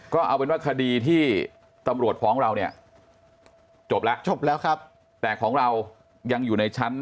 ก็เอาเป็นว่าคดีที่ตำรวจของเราเนี่ยจบละแปลของเรายังอยู่ในชั้น